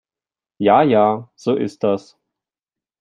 Ja ja, so ist das.